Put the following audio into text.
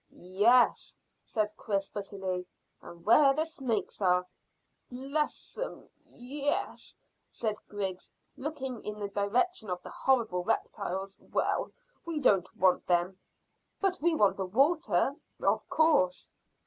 "Yes," said Chris bitterly, "and where the snakes are." "Bless 'em, yes!" said Griggs, looking in the direction of the horrible reptiles. "Well, we don't want them." "But we want the water." "Of course."